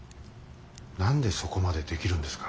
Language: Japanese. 何でそこまでできるんですか？